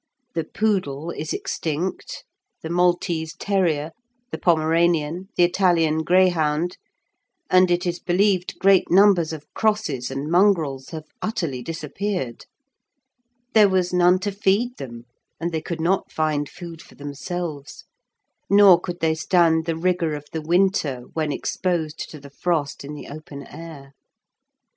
The poodle is extinct, the Maltese terrier, the Pomeranian, the Italian greyhound, and, it is believed, great numbers of crosses and mongrels have utterly disappeared. There was none to feed them, and they could not find food for themselves, nor could they stand the rigour of the winter when exposed to the frost in the open air.